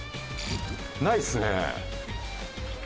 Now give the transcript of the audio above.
ないっすね。